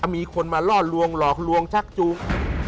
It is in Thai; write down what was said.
มีคนมาล่อลวงหลอกลวงชักจูง